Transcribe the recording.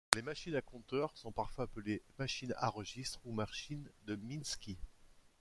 Les machines à compteurs sont parfois appelées machines à registres ou machines de Minsky.